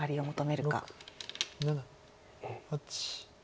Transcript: ７８。